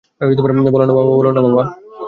বলো না, বাবা।